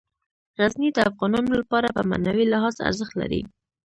غزني د افغانانو لپاره په معنوي لحاظ ارزښت لري.